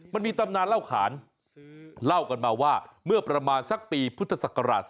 มันมีตำนานเล่าขานเล่ากันมาว่าเมื่อประมาณสักปีพุทธศักราช๒๕๖